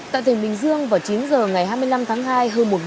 tại tỉnh bình dương vào chín h ngày hai mươi năm tháng hai